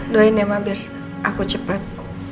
doain ya ma biar aku cepat